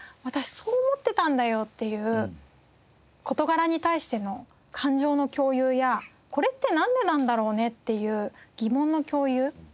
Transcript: そう思ってたんだよっていう事柄に対しての感情の共有やこれってなんでなんだろうね？っていう疑問の共有。